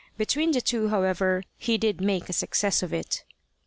Between the two, however, he did make a success of it.